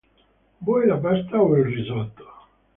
Vuoi la pasta o il risotto?